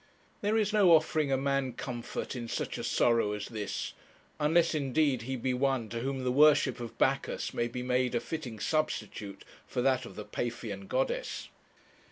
There is no offering a man comfort in such a sorrow as this; unless, indeed, he be one to whom the worship of Bacchus may be made a fitting substitute for that of the Paphian goddess.